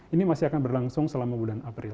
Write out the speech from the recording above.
ini masih akan berlangsung selama bulan april